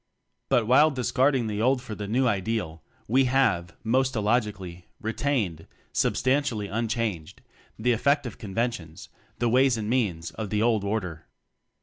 But while discarding the old for the new Ideal, we have, most illog ically, retained substantially un changed the effective conventions, the ways and means, of the old order.